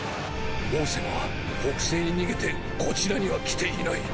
王翦は北西に逃げてこちらには来ていない。